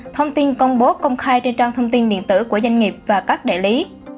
thông tin công bố công khai trên trang thông tin điện tử của doanh nghiệp và các đại lý